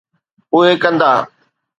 اهي ڪندا.